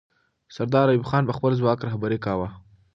سردار ایوب خان به خپل ځواک رهبري کاوه.